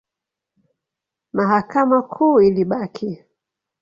Mahakama Kuu ilibaki.